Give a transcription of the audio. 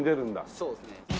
そうですね。